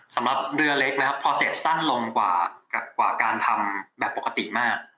สำหรับเรือเล็กนะครับพอเสร็จสั้นลงกว่าการทำแบบปกติมาก